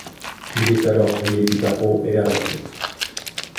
Il est alors rayé du barreau et arrêté.